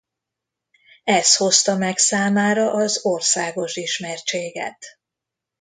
Ez hozta meg számára az országos ismertséget.